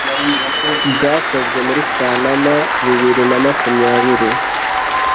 bwakozwe muri Kanama bibir na makumyabiri